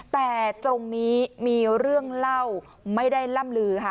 แต่ตรงนี้มีเรื่องเล่าไม่ได้ล่ำลือค่ะ